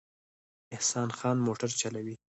احسان خان موټر چلوي